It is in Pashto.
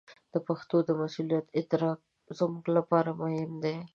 د پښتو د مسوولیت ادراک زموږ لپاره مهم دی.